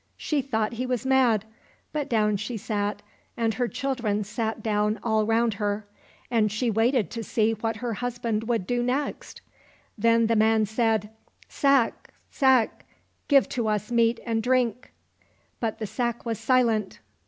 She thought he was mad, but down she sat, and her children sat down all round her, and she waited to see what her husband would do next. Then the man said, " Sack, sack, give to us meat and drink !" But the sack was silent.